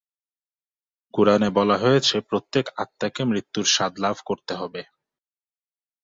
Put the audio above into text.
কুরআনে বলা হয়েছে প্রত্যেক আত্মাকে মৃত্যুর স্বাদ লাভ করতে হবে।